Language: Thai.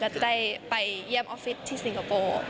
แล้วจะได้ไปเยี่ยมออฟฟิศที่สิงคโปร์